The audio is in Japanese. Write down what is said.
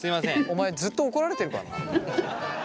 お前ずっと怒られてるからな。